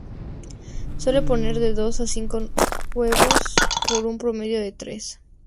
Suele poner de dos a cinco huevos, con un promedio de tres.